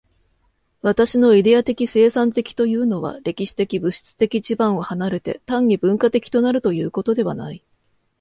私のイデヤ的生産的というのは、歴史的物質的地盤を離れて、単に文化的となるということではない。